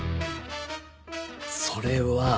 それは。